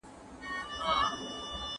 ¬ چرگه چي چاغېږي، کونه ېې تنگېږي.